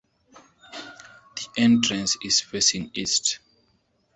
The entrance is facing east.